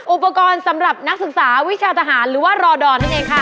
อุปกรณ์สำหรับนักศึกษาวิชาทหารหรือว่ารอดอนั่นเองค่ะ